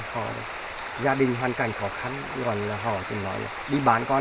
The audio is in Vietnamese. họ gia đình hoàn cảnh khó khăn còn là họ thì nói là đi bán con